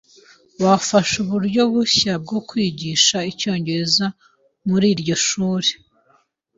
Bafashe uburyo bushya bwo kwigisha icyongereza muri iryo shuri.